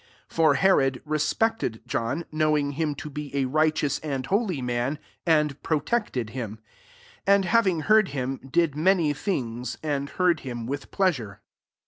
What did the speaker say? M For Herod respected JcHif, knowing him to be a righteo^ and holy man, and protectM him ; and having heard him, ^n ' many things, and heard with pleasure.